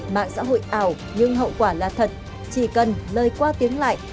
mạng xã hội ảo nhưng hậu quả là thật chỉ cần lời qua tiếng lại